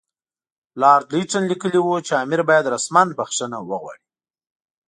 لارډ لیټن لیکلي وو چې امیر باید رسماً بخښنه وغواړي.